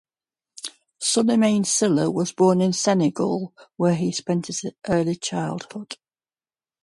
Souleymane Sylla was born in Senegal where he spent his early childhood.